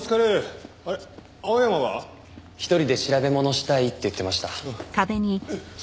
一人で調べものしたいって言ってました。